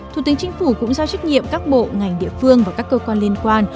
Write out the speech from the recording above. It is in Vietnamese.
thủ tướng chính phủ cũng giao trách nhiệm các bộ ngành địa phương và các cơ quan liên quan